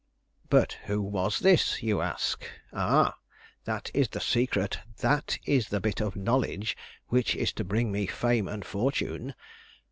"But who was this? you ask. Ah, that is the secret; that is the bit of knowledge which is to bring me fame and fortune.